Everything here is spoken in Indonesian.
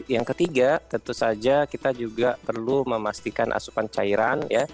yang ketiga tentu saja kita juga perlu memastikan asupan cairan